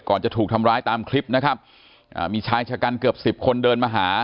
จะถูกทำร้ายตามคลิปนะครับอ่ามีชายชะกันเกือบสิบคนเดินมาหา